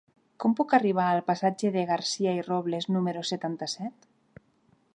Com puc arribar al passatge de Garcia i Robles número setanta-set?